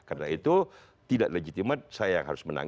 karena itu tidak legitimat saya yang harus menang